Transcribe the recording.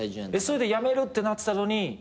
それで辞めるってなってたのに。